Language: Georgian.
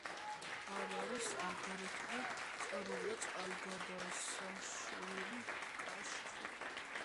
არის აგრეთვე ყრუ და წყალგადასაშვები კაშხლები.